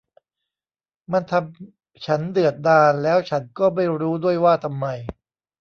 มันทำฉันเดือดดาลแล้วฉันก็ไม่รู้ด้วยว่าทำไม